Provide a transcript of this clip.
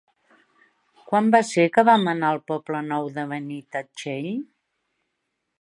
Quan va ser que vam anar al Poble Nou de Benitatxell?